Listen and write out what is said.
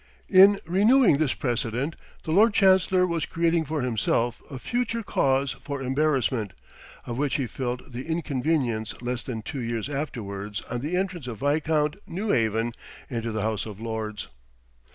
In renewing this precedent the Lord Chancellor was creating for himself a future cause for embarrassment, of which he felt the inconvenience less than two years afterwards on the entrance of Viscount Newhaven into the House of Lords.